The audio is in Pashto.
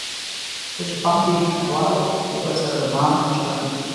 څه چې پام یې واړاوه له یو بل سره د پوهانو چلند و.